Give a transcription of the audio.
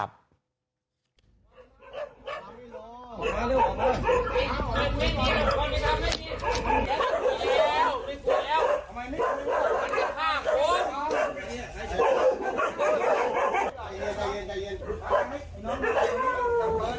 ปิดหัว